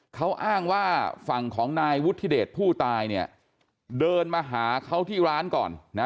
เขาอ้างว่าฝั่งของนายวุฒิเดชผู้ตายเนี่ยเดินมาหาเขาที่ร้านก่อนนะ